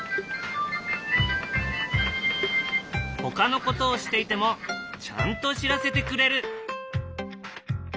ほかのことをしていてもちゃんと知らせてくれる。